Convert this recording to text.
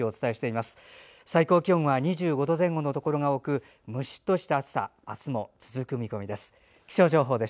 最高気温は２５度前後のところが多くムシッとした暑さが続く見込みです。